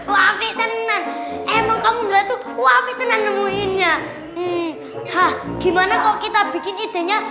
wafi tenang emang kamu ngeratu wafi tenang nemuinnya hah gimana kok kita bikin idenya